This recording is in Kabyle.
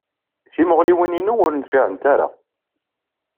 Timuɣliwin-inu ur nfiɛent ara.